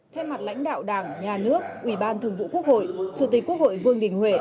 thay mặt lãnh đạo đảng nhà nước ủy ban thường vụ quốc hội chủ tịch quốc hội vương đình huệ